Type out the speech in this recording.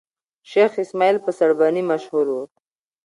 شېخ اسماعیل په سړبني مشهور وو.